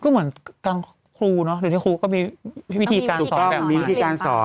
ก็เหมือนทางครูเนอะเดี๋ยวที่ครูก็มีวิธีการสอนแบบมีวิธีการสอน